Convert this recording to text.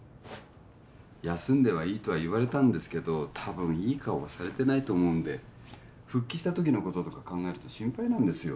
休んではいいとは言われたんですけどたぶんいい顔はされてないと思うんで復帰したときのこととか考えると心配なんですよ